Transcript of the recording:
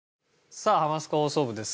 さあ『ハマスカ放送部』です。